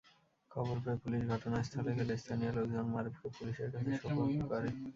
খবর পেয়ে পুলিশ ঘটনাস্থলে গেলে স্থানীয় লোকজন মারুফকে পুলিশের কাছে সোপর্দ করে।